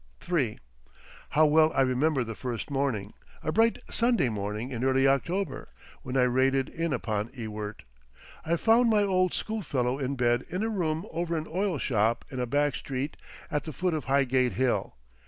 III How well I remember the first morning, a bright Sunday morning in early October, when I raided in upon Ewart! I found my old schoolfellow in bed in a room over an oil shop in a back street at the foot of Highgate Hill.